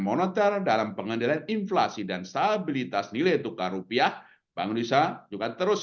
moneter dalam pengendalian inflasi dan stabilitas nilai tukar rupiah bank indonesia juga terus